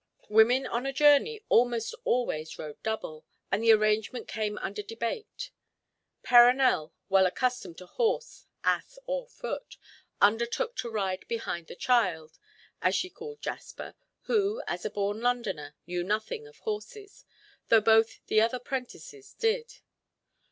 Women on a journey almost always rode double, and the arrangement came under debate. Perronel, well accustomed to horse, ass, or foot, undertook to ride behind the child, as she called Jasper, who—as a born Londoner—knew nothing of horses, though both the other prentices did.